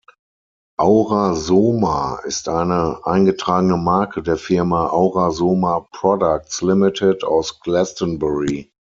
Aura-Soma ist eine eingetragene Marke der Firma Aura-Soma Products Limited aus Glastonbury.